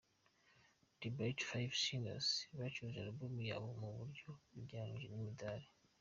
The Bight Five Singers, bacuruje Album yabo mu buryo bagereranyije n’imidari.